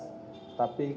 tapi kami menunggu